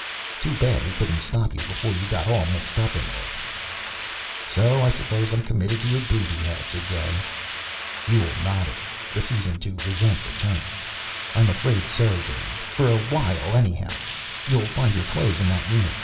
Too bad we couldn't stop you before you got all mixed up in this." "So I suppose I'm committed to your booby hatch again?" Buehl nodded, refusing to resent the term. "I'm afraid so, Dane for a while, anyhow. You'll find your clothes in that room.